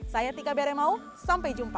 saya tika beremau sampai jumpa